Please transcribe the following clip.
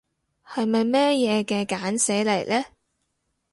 係咪咩嘢嘅簡寫嚟呢？